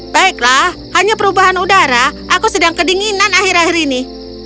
baiklah hanya perubahan udara aku sedang kedinginan akhir akhir ini